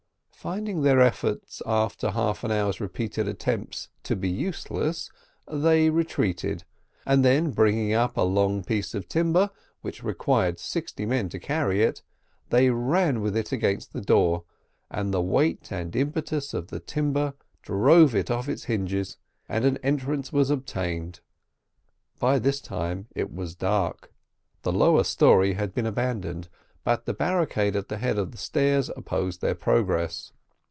Finding their efforts, after half an hour's repeated attempts, to be useless, they retreated, and then bringing up a long piece of timber, which required sixty men to carry it, they ran with it against the door, and the weight and impetus of the timber drove it off its hinges, and an entrance was obtained. By this time it was dark, the lower story had been abandoned, but the barricade at the head of the stairs opposed their progress.